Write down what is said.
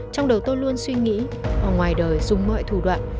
trong đầu tôi luôn suy nghĩ ngoài đời dùng mọi thủ đoạn